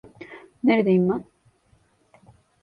Neredeyim ben?